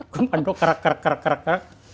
komando kerak kerak kerak kerak